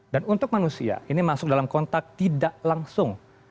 dan untuk manusia ini masuk dalam kontak tidak langsung